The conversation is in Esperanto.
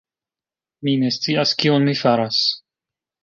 Mi ne scias kion mi faras.